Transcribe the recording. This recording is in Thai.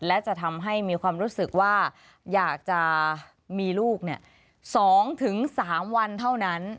และจะทำให้มีความรู้สึกว่าอยากจะมีลูก๒๓วันเท่านั้น